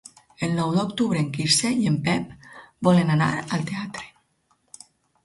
El nou d'octubre en Quirze i en Pep volen anar al teatre.